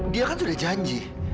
dia kan sudah janji